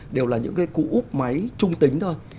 đều là những cái cụ úp máy trung tính thôi